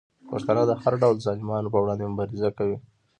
پښتانه د هر ډول ظالمانو په وړاندې مبارزه کوي.